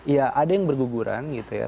ya ada yang berguguran gitu ya